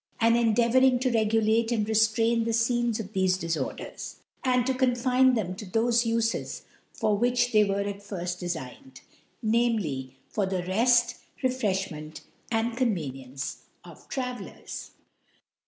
endeavouring ( 24 ) endeavouring to regulate ^d reftrain the Scenes of thefe Diforders, and to confine them to thofe Ufes for which they were at firft defigned ; namely, for the Reft, Rc frelhaoeht and Convenience of Travellers.